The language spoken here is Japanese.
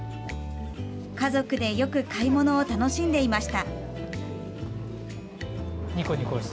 家族で、よく買い物を楽しんでいました。